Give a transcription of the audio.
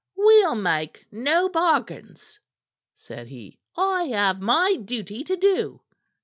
"We'll make no bargains," said he. "I have my duty to do."